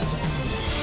sini berita terkini hukum